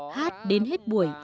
hát đến hết buổi